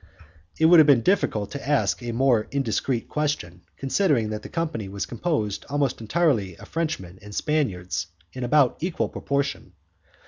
It would have been difficult to ask a more indiscreet question, considering that the company was composed almost entirely of Frenchmen and Spaniards in about equal proportion.